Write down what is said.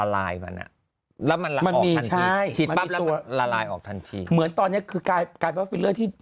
ลายมานอนมามันมีครายชีพฤตราบมาลายออกทันทีเหมือนตอนเนี่ยคือกลายกับฟิลเลอร์ที่